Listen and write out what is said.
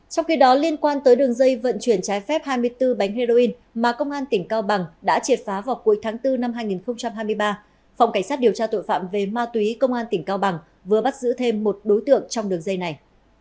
trong khi đó liên quan tới đường dây vận chuyển trái phép hai mươi bốn bánh heroin mà công an tỉnh cao bằng đã triệt phá vào cuối tháng bốn năm hai nghìn hai mươi ba phòng cảnh sát điều tra tội phạm về ma túy công an tỉnh cao bằng vừa bắt giữ thêm một đối tượng trong đường dây này